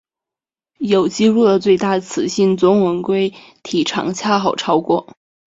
有纪录的最大雌性钻纹龟体长恰好超过。